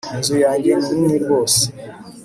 Inzu yanjye ni nini rwose